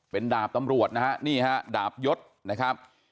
เป็นดาบตำรวจนะฮะนี่ฮะดาบยศนะครับ